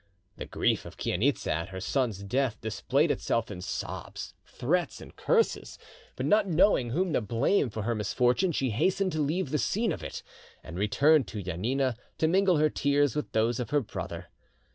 The grief of Chainitza at her son's death displayed itself in sobs, threats, and curses, but, not knowing whom to blame for her misfortune, she hastened to leave the scene of it, and returned to Janina, to mingle her tears with those of her brother.